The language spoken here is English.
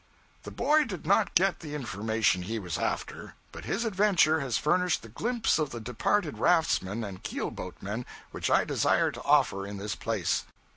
The boy did not get the information he was after, but his adventure has furnished the glimpse of the departed raftsman and keelboatman which I desire to offer in this place.